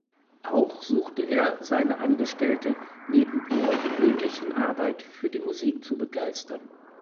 Auch suchte er seine Angestellte neben ihrer gewöhnlichen Arbeit für die Musik zu begeistern.